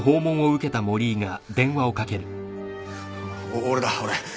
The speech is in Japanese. お俺だ俺。